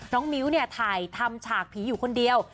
มิ้วเนี่ยถ่ายทำฉากผีอยู่คนเดียว